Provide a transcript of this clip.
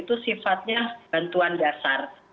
itu sifatnya bantuan dasar